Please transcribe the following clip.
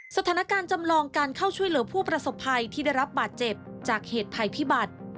จำลองการเข้าช่วยเหลือผู้ประสบภัยที่ได้รับบาดเจ็บจากเหตุภัยพิบัติ